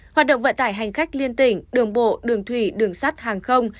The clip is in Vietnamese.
hoạt động vận tải hành khách liên tỉnh đường bộ đường thủy đường sắt hàng không